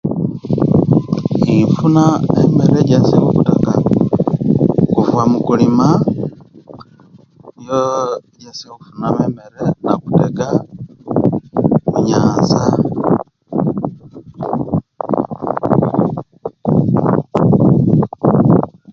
Nfuna emere ekisinga okuttaka kuva mikulima niyo ejesobola okufunamu emere no'kutega munyaanza